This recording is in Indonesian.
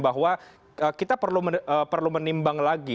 bahwa kita perlu menimbang lagi